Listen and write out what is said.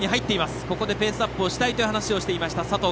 ここでペースアップをしたいと話していました。